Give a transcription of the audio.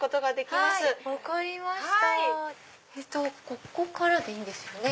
ここからでいいんですよね。